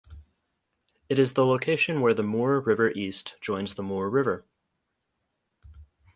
It is the location where the Moore River East joins the Moore River.